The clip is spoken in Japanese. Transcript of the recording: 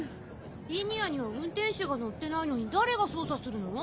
リニアには運転手が乗ってないのに誰が操作するの？